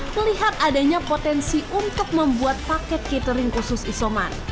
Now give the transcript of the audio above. melihat adanya potensi untuk membuat paket catering khusus isoman